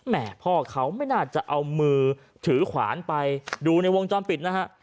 แม่พ่อเขาไม่น่าจะเอามือถือขวานไปดูในวงจรปิดนะฮะ